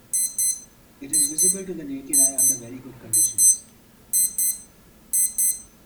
It is visible to the naked eye under very good conditions.